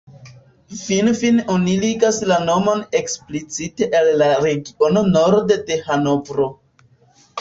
Finfine oni ligas la nomon eksplicite al la regiono norde de Hanovro.